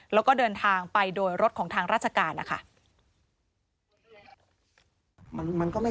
แล้วก็เดินทางไปโดยรถของทางราชการนะคะ